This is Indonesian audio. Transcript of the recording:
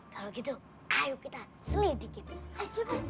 kalau gitu ayo kita selidik kita